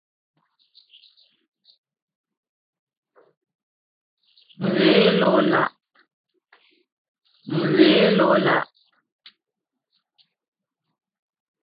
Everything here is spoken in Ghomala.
Mghě ló lá'.